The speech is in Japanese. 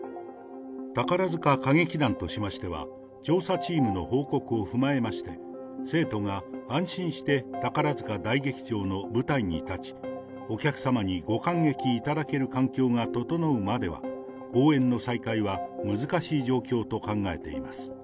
宝塚歌劇団としましては、調査チームの報告を踏まえまして、生徒が安心して宝塚大劇場の舞台に立ち、お客様にご観劇いただける環境が整うまでは、公演の再開は難しい状況と考えています。